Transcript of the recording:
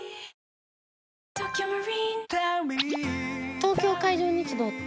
東京海上日動って？